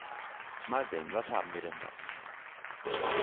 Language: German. Mal sehen, was haben wir denn da?